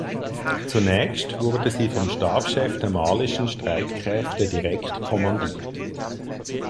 Zunächst wurde sie vom Stabschef der malischen Streitkräfte direkt kommandiert.